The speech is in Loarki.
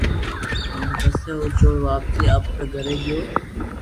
ھين پسي او چور واپسي آپري گھري